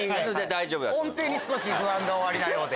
音程に不安がおありなようで。